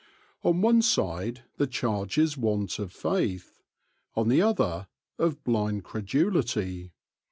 On one side the charge is want of faith ; on the other of blind credulity.